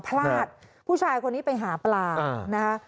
พลาดผู้ชายคนนี้ไปหาปลานะคะ